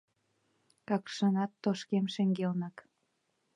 Какшанат тошкем шеҥгелнак.